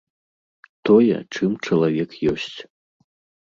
Тое, чым чалавек ёсць.